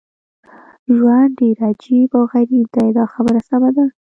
ژوند ډېر عجیب او غریب دی دا خبره سمه ده.